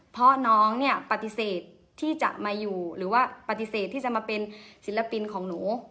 เพราะน้องเนี่ยปฏิเสธที่จะมาอยู่หรือว่าปฏิเสธที่จะมาเป็นศิลปินของหนู